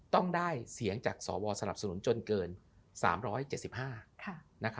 ต้องได้เสียงจากสวสนับสนุนจนเกิน๓๗๕